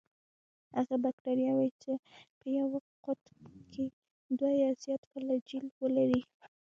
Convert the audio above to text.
هغه باکتریاوې چې په یو قطب کې دوه یا زیات فلاجیل ولري.